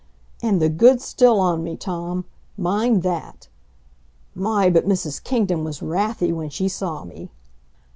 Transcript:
And the goods still on me, Tom, mind that. My, but Mrs. Kingdon was wrathy when she saw me!